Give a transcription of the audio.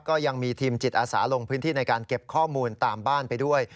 ก็ยังมีทีมจิตอาสาลงพื้นที่ในการเก็บข้อมูลตามบ้านไปด้วย